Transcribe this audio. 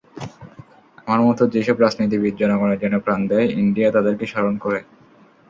আমার মতো যেসব রাজনীতিবিদ জনগণের জন্য প্রাণ দেয়, ইন্ডিয়া তাদেরকে স্মরণ করে।